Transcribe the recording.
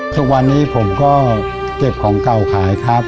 ทุกวันนี้ผมก็เก็บของเก่าขายครับ